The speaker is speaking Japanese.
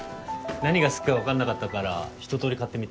何が好きか分かんなかったから一通り買ってみた。